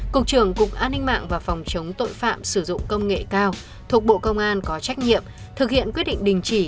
cục trưởng cục an ninh mạng và phòng chống tội phạm sử dụng công nghệ cao thuộc bộ công an có trách nhiệm thực hiện quyết định đình chỉ